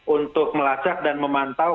untuk melacak dan memantau